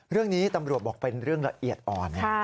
เรื่องนี้ตำรวจบอกเป็นเรื่องละเอียดอ่อน